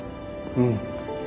うん。